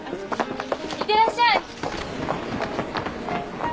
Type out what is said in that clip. いってらっしゃい。